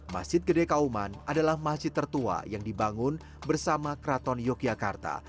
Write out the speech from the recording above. masjid gede kauman adalah masjid tertua yang dibangun bersama kraton yogyakarta